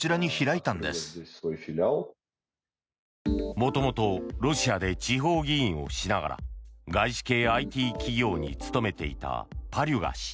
元々ロシアで地方議員をしながら外資系ＩＴ企業に勤めていたパリュガ氏。